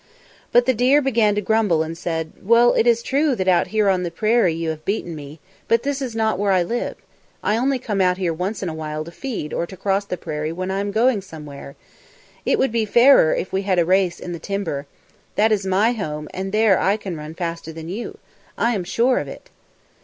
But the deer began to grumble and said, "Well, it is true that out here on the prairie you have beaten me, but this is not where I live. I only come out here once in a while to feed or to cross the prairie when I am going somewhere. It would be fairer if we had a race in the timber. That is my home, and there I can run faster than you. I am sure of it."